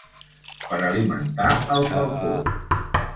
Per alimentar al falcó.